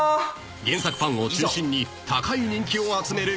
［原作ファンを中心に高い人気を集めるこのコンビ］